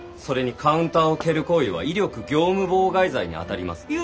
それにカウンターを蹴る行為は威力業務妨害罪にあたります。